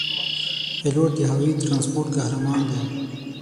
پیلوټ د هوايي ترانسپورت قهرمان دی.